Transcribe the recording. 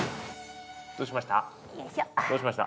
どうしました？